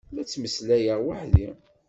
La ttmeslayeɣ weḥd-i.